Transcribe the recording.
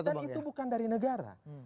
dan itu bukan dari negara